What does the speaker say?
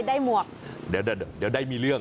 ได้หมวกเดี๋ยวมีเรื่อง